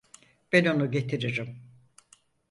Ben onu getiririm.